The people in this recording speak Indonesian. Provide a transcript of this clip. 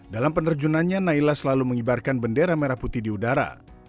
dalam penerjunannya naila selalu mengibarkan bendera merah putih di udara